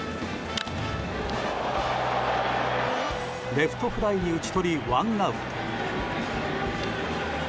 レフトフライに打ち取りワンアウト。